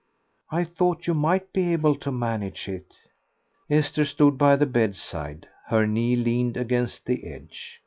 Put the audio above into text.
"I thought you might be able to manage it." Esther stood by the bedside, her knee leaned against the edge.